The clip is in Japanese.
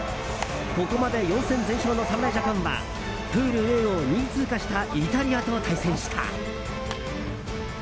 ここまで４戦全勝の侍ジャパンはプールＡを２位通過したイタリアと対戦した。